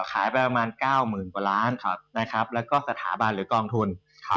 ไปประมาณ๙๐๐กว่าล้านนะครับแล้วก็สถาบันหรือกองทุน